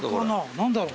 何だろう？